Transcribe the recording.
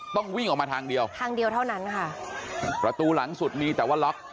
ต้องวิ่งออกมาทางเดียวทางเดียวเท่านั้นค่ะประตูหลังสุดมีแต่ว่าล็อก